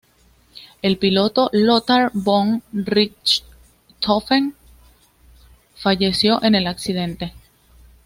El piloto Lothar von Richthofen falleció en el accidente.